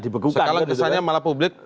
dibegukan sekarang biasanya malah publik